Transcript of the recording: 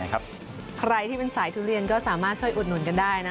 ใครที่เป็นสายทุเรียนก็สามารถช่วยอุดหนุนกันได้